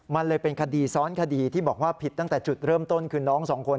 มันเลยเป็นคดีซ้อนคดีที่บอกว่าผิดตั้งแต่จุดเริ่มต้นคือน้องสองคน